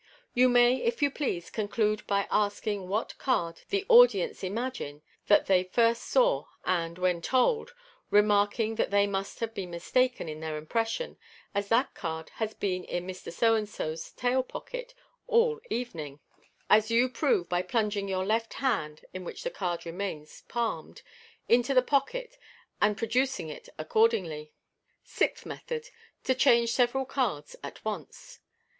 You may, if you please, conclude by asking what card the audience imagine that they first saw, and, when told, remarking that they must have been mistaken in their impression, as that card has been in Mr. So and so's tail pocket all the evening, as you prove by plunging your left hand (in which the card remains palmed) into the pocket, and producing it ac cordingly. Sixth Method. (To change several cards at once.)